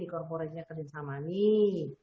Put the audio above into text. di korporatenya kerjasama nih